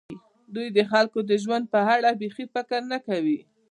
دوی د خلکو د ژوند په اړه بېڅ فکر نه کوي.